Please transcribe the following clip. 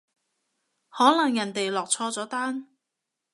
可能人哋落錯咗單